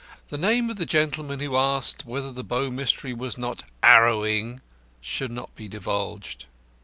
The name of the gentleman who asked whether the Bow Mystery was not 'arrowing shall not be divulged.